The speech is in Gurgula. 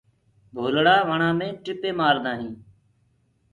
ڀولڙآ وڻآ مينٚ ٽِپينٚ مآردآ هينٚ۔